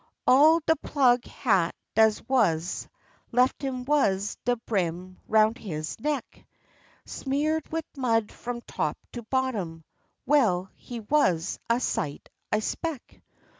All de plug hat dat wuz lef' him wuz de brim aroun' his neck, Smear'd wid mud f'om top to bottom, well, he wuz a sight, I 'speck.